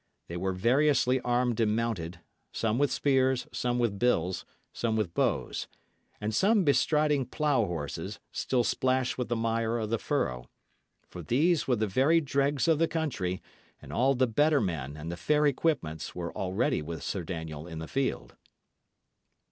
They were variously armed and mounted; some with spears, some with bills, some with bows, and some bestriding plough horses, still splashed with the mire of the furrow; for these were the very dregs of the country, and all the better men and the fair equipments were already with Sir Daniel in the field.